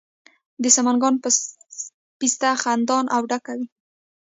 د سمنګان پسته خندان او ډکه وي.